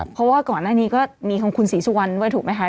เพราะว่าก่อนหน้านี้ก็มีคุณศรีชวัลด้วยถูกมั้ยคะ